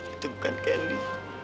itu bukan candy